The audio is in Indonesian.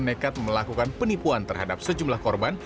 nekat melakukan penipuan terhadap sejumlah korban